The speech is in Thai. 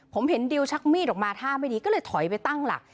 ผมเห็นดิวชักมีดออกมาท่าไม่ดีก็เลยถอยไปตั้งหลัก